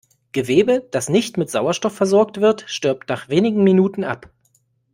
Gewebe, das nicht mit Sauerstoff versorgt wird, stirbt nach wenigen Minuten ab.